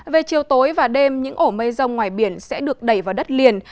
về chiều tối và đêm những ổ mây rông ngoài biển sẽ được đẩy vào đất liền